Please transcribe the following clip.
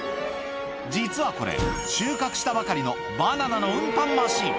実はこれ、収穫したばかりのバナナの運搬マシン。